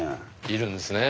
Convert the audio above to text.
いるんですね。